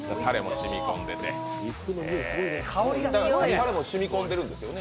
タレも染み込んでるんですよね？